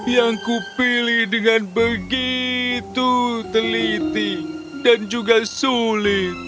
yang kupilih dengan begitu teliti dan juga sulit